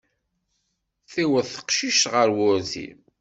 Tiweḍ teqcict ɣer wurti.